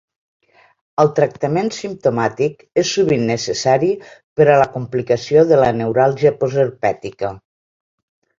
El tractament simptomàtic és sovint necessari per a la complicació de la neuràlgia postherpètica.